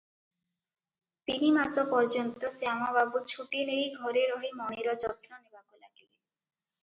ତିନିମାସ ପର୍ଯ୍ୟନ୍ତ ଶ୍ୟାମବାବୁ ଛୁଟି ନେଇ ଘରେ ରହି ମଣିର ଯତ୍ନ ନେବାକୁ ଲାଗିଲେ ।